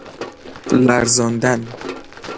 لرزاندن